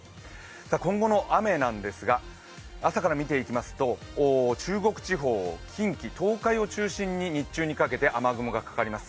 今後の雨なんですが、朝から見ていきますと、中国地方、近畿、東海を中心に日中にかけて雨雲がかかります。